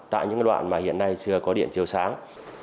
tại những đoạn mà hiện nay chưa có điện chiều sáng